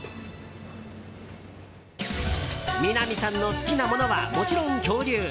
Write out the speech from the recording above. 南さんの好きなものはもちろん恐竜。